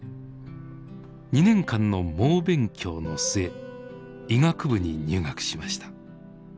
２年間の猛勉強の末医学部に入学しました。